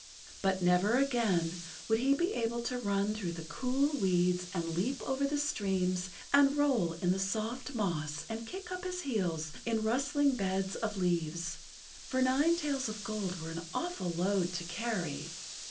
But never again would he be able to run through the cool weeds and leap over the streams and roll in the soft moss and kick up his heels in rustling beds of leaves, for nine tails of gold were an awful[Pg 76] load to carry.